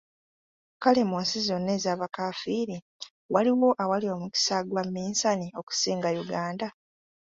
Kale mu nsi zonna ez'abakaafiiri, waliwo awali omukisa gwa minsani okusinga Uganda?